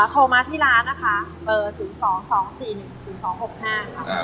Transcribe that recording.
โทรมาที่ร้านนะคะเบอร์๐๒๒๔๑๐๒๖๕ค่ะ